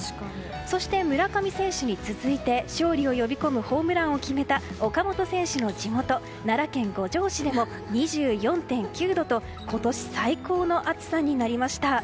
そして、村上選手に続いて勝利を呼び込むホームランを決めた岡本選手の地元奈良県五條市でも２４．９度と今年最高の暑さになりました。